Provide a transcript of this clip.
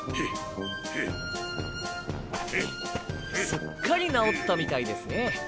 すっかり治ったみたいですね。